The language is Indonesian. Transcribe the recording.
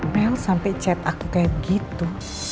mel sampai chat aku kayak gitu